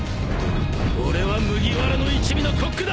俺は麦わらの一味のコックだ！